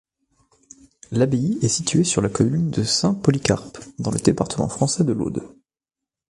L'abbaye est située sur la commune de Saint-Polycarpe, dans le département français de l'Aude.